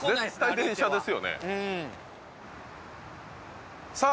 電車ですよねさあ